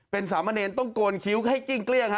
เป็นสามเณรต้องโกนคิ้วให้กิ้งเกลี้ยงฮะ